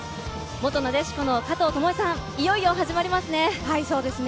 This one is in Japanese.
元なでしこの加藤與惠さん、いよいよ始まりますね。